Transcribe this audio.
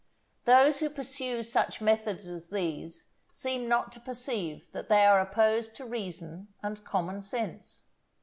Those who pursue such methods as these seem not to perceive that they are opposed to reason and common sense.